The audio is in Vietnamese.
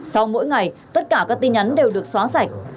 sau mỗi ngày tất cả các tin nhắn đều được xóa sạch